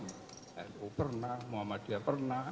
mu pernah muhammadiyah pernah